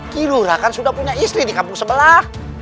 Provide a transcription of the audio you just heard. kilora kan sudah punya istri di kampung sebelah